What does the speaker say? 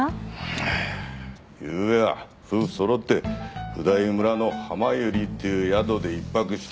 ゆうべは夫婦そろって普代村のはまゆりっていう宿で１泊した。